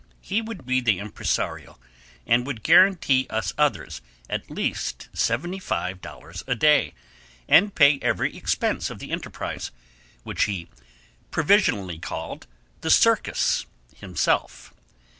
He would be the impresario, and would guarantee us others at least seventy five dollars a day, and pay every expense of the enterprise, which he provisionally called the Circus, himself.